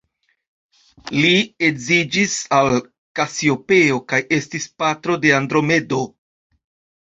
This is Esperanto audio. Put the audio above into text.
Li edziĝis al Kasiopeo, kaj estis patro de Andromedo.